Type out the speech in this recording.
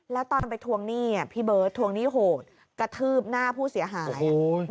แล้วตอนไปทวงนี่อ่ะพี่เบิร์ดทวงนี่โหดกระทืบหน้าผู้เสียหายโอ้โห